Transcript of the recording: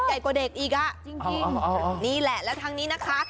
ใหญ่กว่าเด็กอีกอ่ะจริงนี่แหละแล้วทางนี้นะคะ